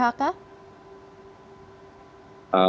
sampai saat ini belum ada